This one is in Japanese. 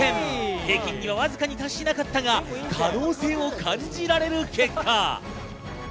平均にはわずかに達しなかったが可能性を感じられる結果。